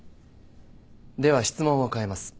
では質問を変えます。